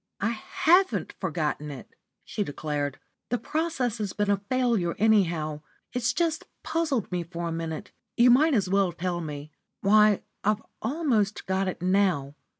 "I haven't forgotten it," she declared. "The process has been a failure anyhow. It's just puzzled me for a minute. You might as well tell me. Why, I've almost got it now.